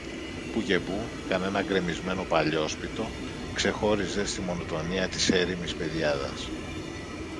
Πού και πού, κανένα γκρεμισμένο παλιόσπιτο ξεχώριζε στη μονοτονία της έρημης πεδιάδας.